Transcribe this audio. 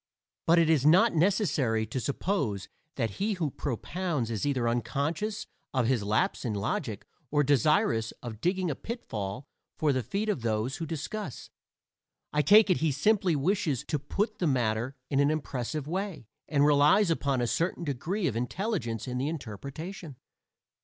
But it is not necessary to suppose that he who propounds is either unconscious of his lapse in logic or desirous of digging a pitfall for the feet of those who discuss; I take it he simply wishes to put the matter in an impressive way, and relies upon a certain degree of intelligence in the interpretation.